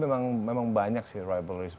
biasanya memang banyak sih rivalry